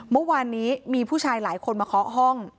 เมื่อวานนี้มีผู้ชายหลายคนมาเคาะห้อง